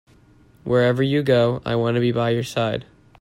Wherever you go, I want to be by your side.